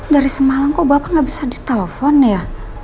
dari semalam kok bapak gak bisa di telepon ya